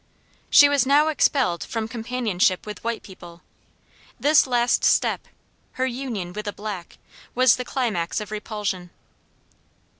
She was now expelled from companionship with white people; this last step her union with a black was the climax of repulsion.